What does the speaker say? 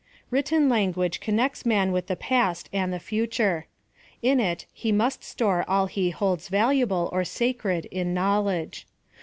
Written language connects man with the past and the future. In it he must store all he liolds valuable or sacred in knowledge.